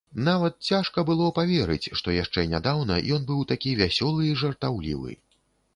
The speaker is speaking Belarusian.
Нават цяжка было паверыць, што яшчэ нядаўна ён быў такі вясёлы і жартаўлівы.